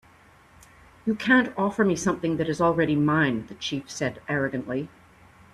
"You can't offer me something that is already mine," the chief said, arrogantly.